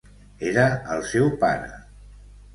Era el seu pare.